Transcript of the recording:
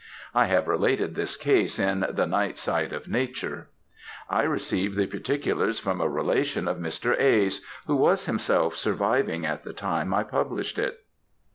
I have related this case in the 'Night Side of Nature.' I received the particulars from a relation of Mr. A.'s, who was himself surviving at the time I published it."